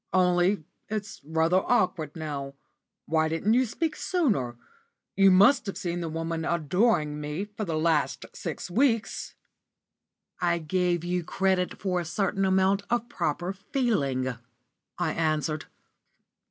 "Only it's rather awkward now. Why didn't you speak sooner? You must have seen the woman adoring me for the last six weeks." "I gave you credit for a certain amount of proper feeling," I answered.